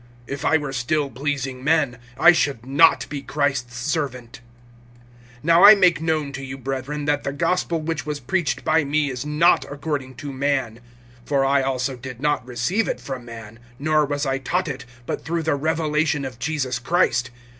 If I were still pleasing men, I should not be Christ's servant. (11)Now I make known to you, brethren, that the gospel which was preached by me is not according to man; (12)for I also did not receive it from man, nor was I taught it, but through the revelation of Jesus Christ.